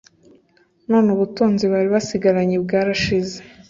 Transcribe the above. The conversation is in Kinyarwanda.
None ubutunzi bari basigaranye bwashize